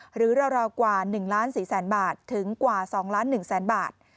หรือราวกว่า๑๔๐๐๐๐๐บาทถึงกว่า๒๑๐๐๐๐๐บาท